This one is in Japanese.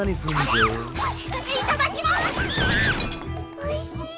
おいしい。